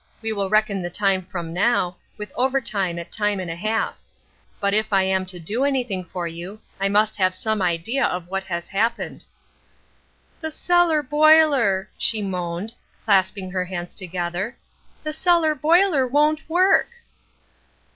We will reckon the time from now, with overtime at time and a half. But if I am to do anything for you I must have some idea of what has happened.' "'The cellar boiler,' she moaned, clasping her hands together, 'the cellar boiler won't work!'